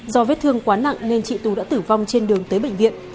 do vết thương quá nặng nên chị tú đã tử vong trên đường tới bệnh viện